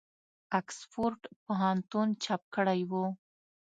آکسفورډ پوهنتون چاپ کړی وو.